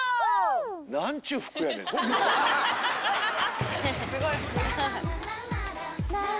何ちゅう服やねん！